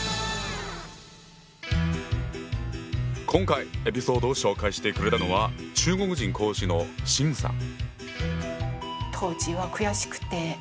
今回エピソードを紹介してくれたのは中国人講師の秦さん。